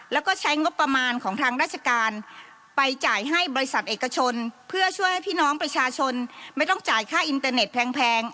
แล้วก็ใช้งบประมาณของทางราชการไปจ่ายให้บริษัทเอกชนเพื่อช่วยให้พี่น้องประชาชนไม่ต้องจ่ายค่าอินเตอร์เน็ตแพง